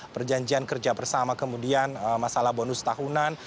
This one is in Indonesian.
kemudian kemudian masalah bonus tahunan